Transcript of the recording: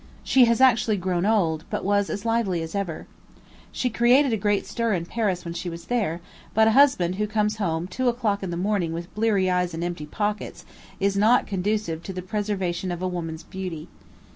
She has actually grown old, but was as lively as ever. She created a great stir in Paris when she was there; but a husband who comes home two o'clock in the morning with bleared eyes and empty pockets, is not conducive to the preservation of a woman's beauty.